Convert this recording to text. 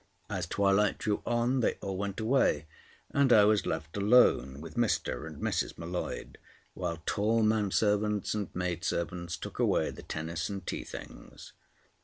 As twilight drew on they all went away, and I was left alone with Mr. and Mrs. M'Leod, while tall menservants and maidservants took away the tennis and tea things.